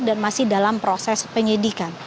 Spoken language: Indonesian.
dan masih dalam proses penyidikan